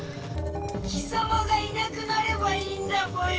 きさまがいなくなればいいんだぽよ！